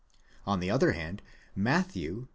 On the other hand, Matthew (xi.